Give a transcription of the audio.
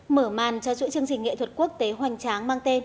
mở màn cho chuỗi chương trình nghệ thuật quốc tế hoành tráng mang tên